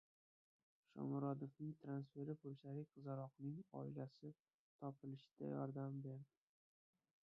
Shomurodovning transferi polshalik qizaloqning oilasi topilishda yordam berdi